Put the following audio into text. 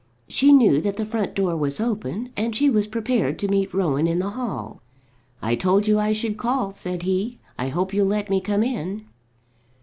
She knew that the front door was open, and she was prepared to meet Rowan in the hall. "I told you I should call," said he. "I hope you'll let me come in."